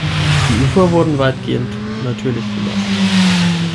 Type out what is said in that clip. Die Ufer wurden weitestgehend natürlich belassen.